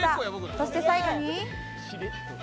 そして最後に。